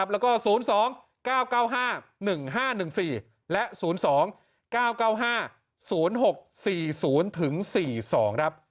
แล้วก็๐๒๙๙๕๑๕๑๔และ๐๒๙๙๕๐๖๔๐ถึง๔๒ครับ